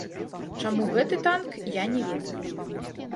Чаму гэты танк, я не ведаю.